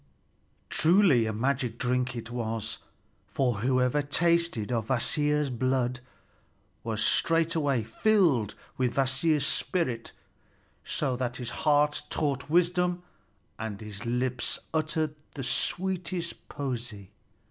Truly, a magic drink it was; for whoever tasted of Kvasir's blood was straightway filled with Kvasir's spirit, so that his heart taught wisdom and his lips uttered the sweetest poesy.